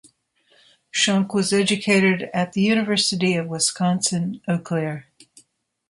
Schunk was educated at the University of Wisconsin-Eau Claire.